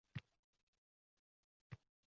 Ularni yonida bulib tur najot